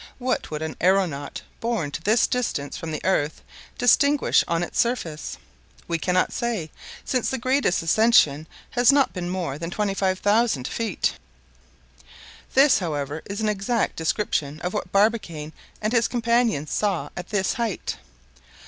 What would an aeronaut, borne to this distance from the earth, distinguish on its surface? We cannot say, since the greatest ascension has not been more than 25,000 feet. This, however, is an exact description of what Barbicane and his companions saw at this height.